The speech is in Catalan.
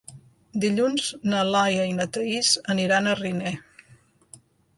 Dilluns na Laia i na Thaís aniran a Riner.